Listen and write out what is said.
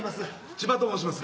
千葉と申します。